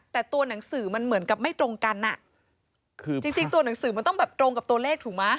แต่ตัวหนังสือมันเหมือนกับไม่ตรงกันอ่ะคือจริงจริงตัวหนังสือมันต้องแบบตรงกับตัวเลขถูกไหม